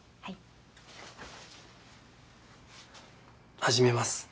始めます。